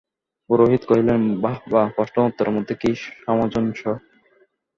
পুরোহিত কহিলেন, বাহবা, প্রশ্ন ও উত্তরের মধ্যে কী সামঞ্জস্য!